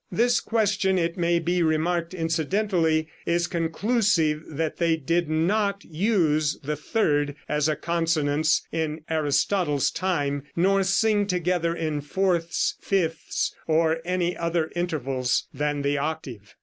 This question, it may be remarked incidentally, is conclusive that they did not use the third as a consonance in Aristotle's time, nor sing together in fourths, fifths, or any other intervals than the octave.